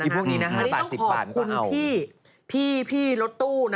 อีกพรุ่งนี้นะฮะ๕๑๐บาทกว่าเอาอเรนนี่ต้องขอบคุณพี่พี่รถตู้นะ